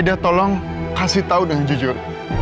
aida tolong kasih tau dengan jujur